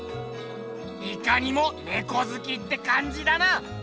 いかにもネコずきってかんじだな。